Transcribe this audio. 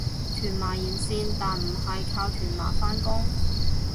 屯馬沿線但唔係靠屯馬返工